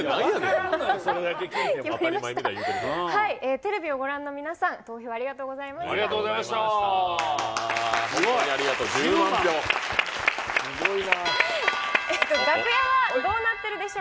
テレビをご覧の皆さん、ありがとうございました。